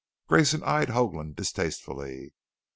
Grayson eyed Hoagland distastefully.